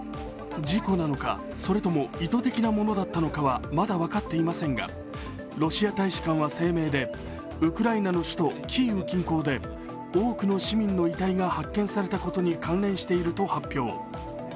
事故なのか、それとも意図的なものだったのかはまだ分かっていませんがロシア大使館は声明でウクライナの首都キーウ近郊で多くの市民の遺体が発見されたことに関連していると発表。